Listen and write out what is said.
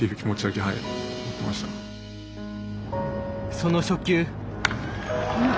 その初球。